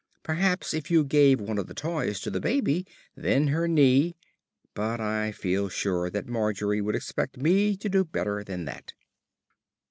Perhaps if you gave one of the toys to baby, then her knee " But I feel sure that Margery would expect me to do better than that.